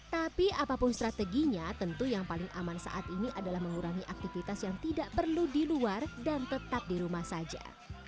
tapi apapun strateginya tentu yang paling aman saat ini adalah mengurangi aktivitas yang tidak perlu di luar dan tetap di rumah saja